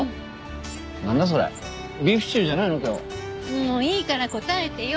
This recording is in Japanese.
もういいから答えてよ。